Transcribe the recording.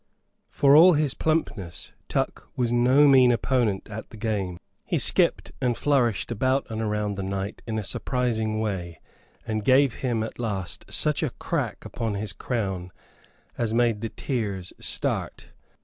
For all his plumpness Tuck was no mean opponent at the game. He skipped and flourished about and around the knight in a surprising way; and gave him at last such a crack upon his crown as made the tears start.